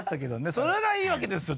それがいいわけですよ。